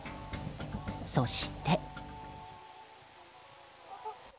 そして。